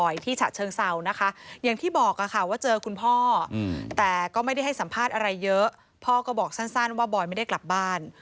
ที่ฉะเชิงเซานะคะอย่างที่บอกค่ะว่าเจอคุณพ่อแต่ก็ไม่ได้ให้สัมภาษณ์อะไรเยอะพ่อก็บอกสั้นว่าบอยไม่ได้กลับบ้าน